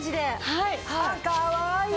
はい。あっかわいい！